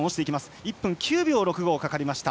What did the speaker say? １分９秒６５かかりました。